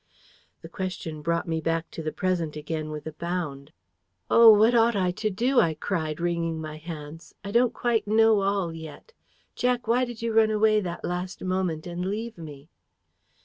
The question brought me back to the present again with a bound. "Oh! what ought I to do?" I cried, wringing my hands. "I don't quite know all yet. Jack, why did you run away that last moment and leave me?"